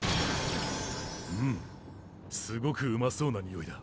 うんすごくうまそうなニオイだ。